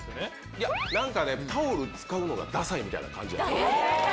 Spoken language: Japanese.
いや、なんかね、タオル使うのがださいみたいな感じやった。